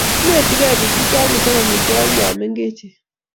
inetigei biik che chang' kochob amitwogik ya mengechen